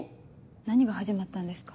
何が始まったんですか？